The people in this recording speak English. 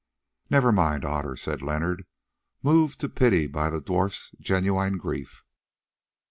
"Never mind, Otter," said Leonard, moved to pity by the dwarf's genuine grief.